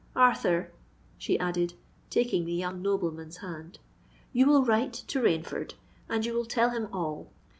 Arthur," she added, taking the young nobleman's hand,—"you will write to Rainford—and you will tell him all.